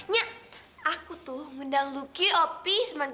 nyak aku tuh ngendang lu ki opi sebagainya